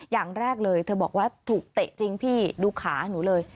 อย่างแรกเลยเธอบอกว่าถูกเตะจริงพี่ดูขาหนูเลย